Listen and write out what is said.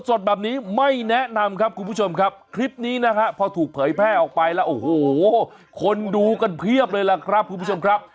โอ้โฮคนดูกันเพียบเลยละครับคุณผู้ชมครับ